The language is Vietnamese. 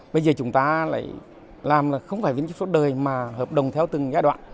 bây giờ chúng ta lại làm là không phải viên chức suốt đời mà hợp đồng theo từng giai đoạn